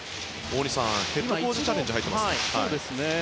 ヘッドコーチチャレンジ入っていますね。